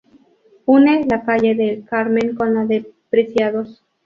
Une la calle del Carmen con la de Preciados.